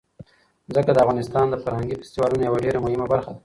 ځمکه د افغانستان د فرهنګي فستیوالونو یوه ډېره مهمه برخه ده.